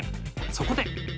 そこで。